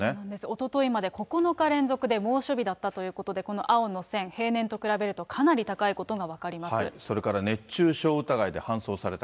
おとといまで９日連続で猛暑日だったということで、この青の線、平年と比べるそれから熱中症疑いで搬送さ